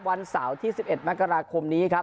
วันเสาร์ที่๑๑มกราคมนี้ครับ